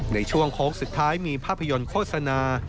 ในช่วงโค้งสุดท้ายมีภาพยนตร์โฆษณา